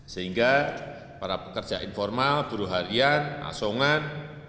sehingga para pekerja informal buruh harian asongan